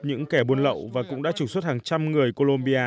những kẻ buôn lậu và cũng đã trục xuất hàng trăm người colombia